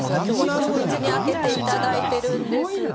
特別に開けていただいているんです。